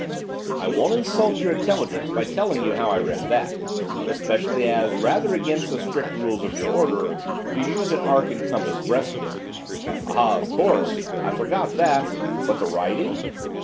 "I won't insult your intelligence by telling you how I read that, especially as, rather against the strict rules of your order, you use an arc and compass breastpin." "Ah, of course, I forgot that. But the writing?"